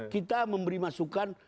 kita memberi masukan